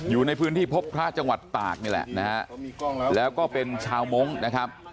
อยู่ในพื้นที่พบพระจังหวัดตากนี่แหละนะฮะแล้วก็เป็นชาวมงค์นะครับ